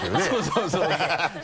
そうそう